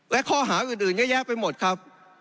และข้อหาอื่นเยอะแยะไปหมดครับ